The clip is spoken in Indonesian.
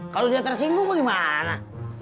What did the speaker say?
kalo dia tersinggung gimana